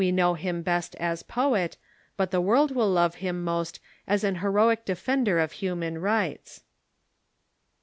We know him best as poet, but the world will love him most as an lieroic defender of human rights.